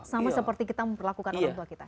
sama seperti kita memperlakukan orang tua kita